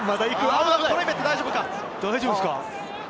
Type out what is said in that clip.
大丈夫ですか？